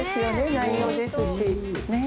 内容ですしねえ。